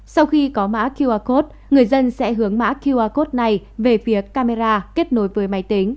sau khi có mã qr code người dân sẽ hướng mã qr code này về phía camera kết nối với máy tính